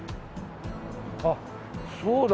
あっそうだ。